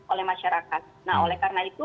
oleh masyarakat nah oleh karena itu